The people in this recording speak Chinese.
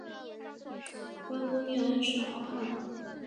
观功念恩是好汉